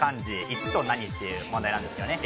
「一」と何？っていう問題なんですけどね